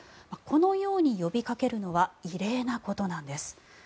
このように呼びかけるのは異例なことなんです。